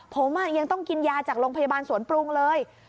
ผมยังต้องกินยาจากโรงพยาบาลสวนปรุงเลย